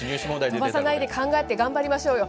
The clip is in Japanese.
飛ばさないで考えて頑張りましょうよ。